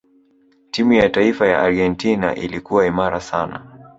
timu ya taifa ya Argentina ilikuwa imara sana